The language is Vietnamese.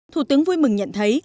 thủ tướng vui mừng nhận thấy